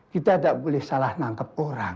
kita tidak boleh salah nangkep orang